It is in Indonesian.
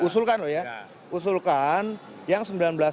usulkan yang sembilan belas